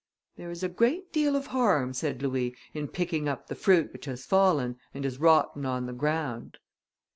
"There is a great deal of harm," said Louis "in picking up the fruit which has fallen, and is rotting on the ground."